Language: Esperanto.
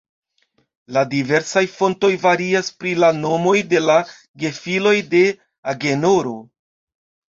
La diversaj fontoj varias pri la nomoj de la gefiloj de Agenoro.